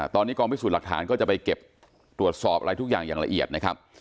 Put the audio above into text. ตอนนี้กองพิสูจน์หลักฐานก็จะไปเก็บตรวจสอบอะไรทุกอย่างอย่างละเอียดนะครับ